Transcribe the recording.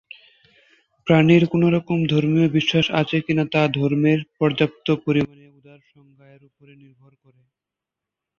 প্রাণীর কোন রকম ধর্মীয় বিশ্বাস আছে কিনা তা ধর্মের পর্যাপ্ত পরিমাণে উদার সংজ্ঞা এর উপরে নির্ভর করে।